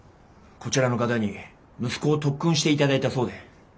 こちらの方に息子を特訓して頂いたそうで。